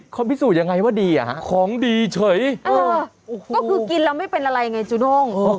เขาพิสูจน์ยังไงว่าดีอ่ะฮะของดีเฉยเออก็คือกินแล้วไม่เป็นอะไรไงจูโน่ง